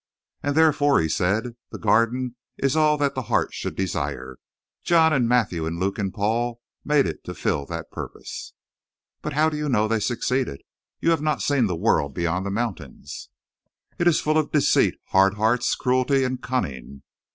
"And therefore," he said, "the Garden is all that the heart should desire. John and Matthew and Luke and Paul made it to fill that purpose." "But how do you know they succeeded? You have not seen the world beyond the mountains." "It is full of deceit, hard hearts, cruelty, and cunning."